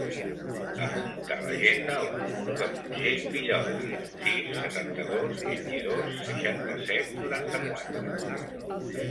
Apunta a l'agenda el número de l'Otger Villodres: sis, setanta-dos, vint-i-dos, seixanta-set, noranta-quatre.